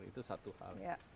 itu satu hal